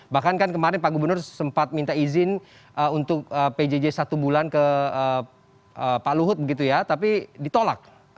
bahkan kan kemarin pak gubernur sempat minta izin untuk pjj satu bulan ke pak luhut begitu ya tapi ditolak